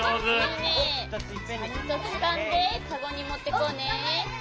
ちゃんとつかんでかごにもってこうね。